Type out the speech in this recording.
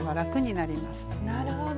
なるほど。